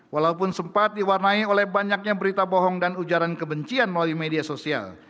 walaupun sempat diwarnai oleh banyaknya berita bohong dan ujaran kebencian melalui media sosial